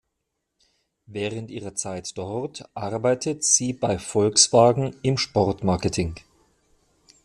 Während ihrer Zeit dort arbeitet sie bei Volkswagen im Sport-Marketing.